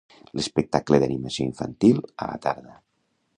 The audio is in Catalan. Espectacle d'animació infantil a la tarda.